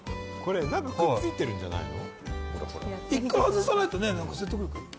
何かくっついているんじゃないの？